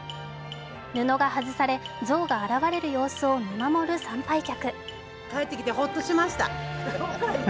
布が外され、像が現れる様子を見守る参拝客。